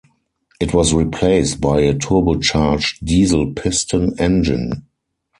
It was replaced by a turbocharged diesel piston engine.